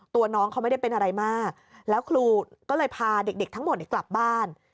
น้องเขาไม่ได้เป็นอะไรมากแล้วครูก็เลยพาเด็กทั้งหมดกลับบ้าน